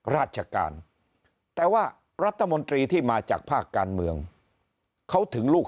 ราชการแต่ว่ารัฐมนตรีที่มาจากภาคการเมืองเขาถึงลูก